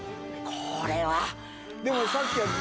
これは！